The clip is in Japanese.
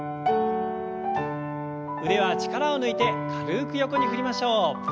腕は力を抜いて軽く横に振りましょう。